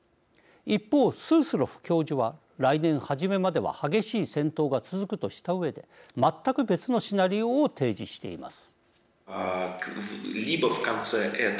一方、スースロフ教授は来年初めまでは激しい戦闘が続くとしたうえで全く別のシナリオを提示しています。